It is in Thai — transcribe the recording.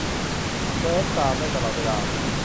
เคลิ้มตามได้ตลอดเวลา